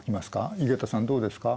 井桁さんどうですか？